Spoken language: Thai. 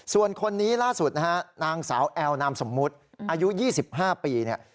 ส่วนคนนี้ล่าสุดนะฮะนางสาวแอลนามสมมุติอายุ๒๕ปีเนี่ย